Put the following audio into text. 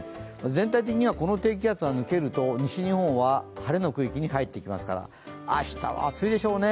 全体的にはこの低気圧が抜けると西日本は晴れの区域に入りますから明日は暑いでしょうね。